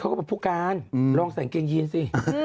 เขาบอกผู้การลองใส่เกงยีนสิ